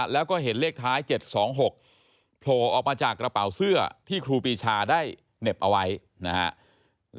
แล้วก็เห็นเลขท้าย๗๒๖โผล่ออกมาจากกระเป๋าเสื้อที่ครูปีชาได้เหน็บเอาไว้นะฮะ